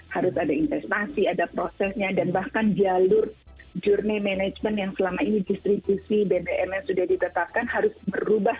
harus ada investasi ada prosesnya dan bahkan jalur journey management yang selama ini distribusi bbm nya sudah ditetapkan harus berubah